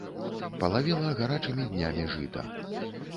Палавела гарачымі днямі жыта.